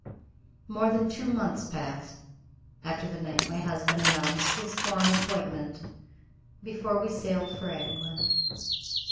More than two months passed after the night my husband announced his foreign appointment before we sailed for England.